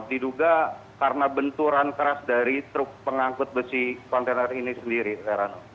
diduga karena benturan keras dari truk pengangkut besi kontainer ini sendiri herano